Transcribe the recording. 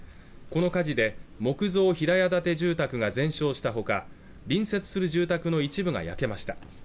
この火事で木造平屋建て住宅が全焼したほか隣接する住宅の一部が焼けました